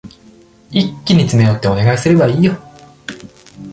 一気に詰め寄ってお願いすればいいよ。